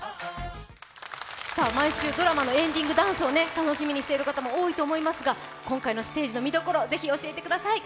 毎週ドラマのエンディングダンスを楽しみにしている方も多いと思いますが今回のステージの見どころ、ぜひ教えてください。